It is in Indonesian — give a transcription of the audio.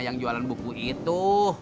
yang jualan buku itu